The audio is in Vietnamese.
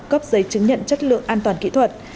cấp giấy chứng nhận chất lượng an toàn kỹ thuật